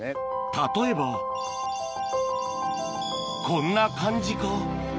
例えばこんな感じか？